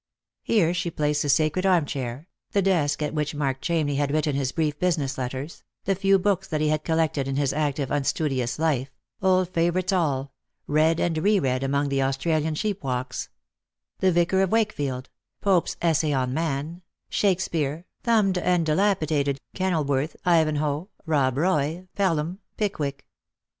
Here she placed the sacred arm chair, the desk at which Mark Chamney had written his brief business letters, the few books that he had collected in his active, unstudious life, old favourites all, read and re read among the Australian sheep walks : the Vicar of Wakefield, Pope's Essay on Man, Shakespeare, thumbed and dilapidated, Kenilworth, Ivanhoe, Bob Roy, Pelham, Pickwick.